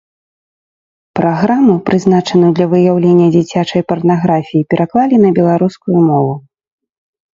Праграму, прызначаную для выяўлення дзіцячай парнаграфіі, пераклалі на беларускую мову.